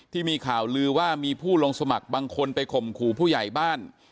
ที่มีข่าวลือว่ามีผู้ลงสมัครบางคนไปข่มขู่ผู้ใหญ่บ้าน